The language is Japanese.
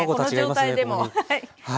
この状態でも。